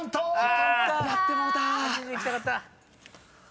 やってもうた！